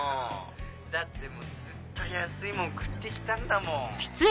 だってもうずっと安いもん食ってきたんだもん。